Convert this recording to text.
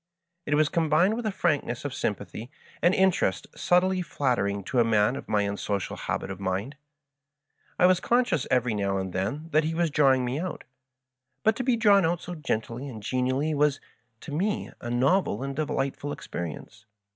It Was combined with a frankness of sympathy and interest subtly flattering to a man of my unsocial habit of mind. I was conscious every now and then that he was drawing me out ; but to be drawn out so gently and genially was, to me, a novel and de%htf ul easperience.